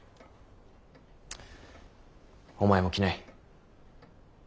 お前も来ない。